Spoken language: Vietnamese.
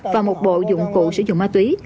và một bộ dụng cụ sử dụng ma túy